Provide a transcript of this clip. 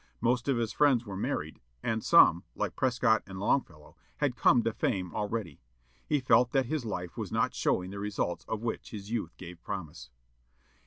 Most of his friends were married, and some, like Prescott and Longfellow, had come to fame already. He felt that his life was not showing the results of which his youth gave promise.